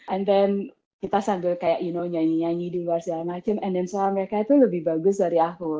and then kita sambil kayak you know nyanyi nyanyi di luar sana and then so mereka tuh lebih bagus dari aku